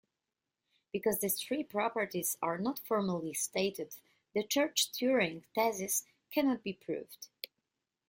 Because these three properties are not formally stated, the Church-Turing thesis cannot be proved.